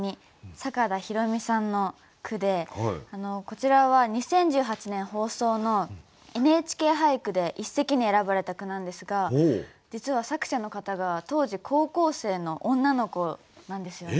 坂田裕美さんの句でこちらは２０１８年放送の「ＮＨＫ俳句」で一席に選ばれた句なんですが実は作者の方が当時高校生の女の子なんですよね。